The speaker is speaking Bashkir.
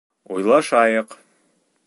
Уйлашайыҡ.